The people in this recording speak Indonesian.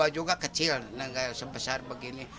delapan puluh dua juga kecil sebesar begini